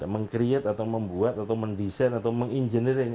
meng create atau membuat atau mendesain atau meng engineering